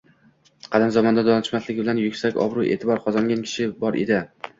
Qadim zamonda donishmandligi bilan yuksak obro`-e`tibor qozongan kishi bor edi